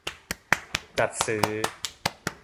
จัดซื้อ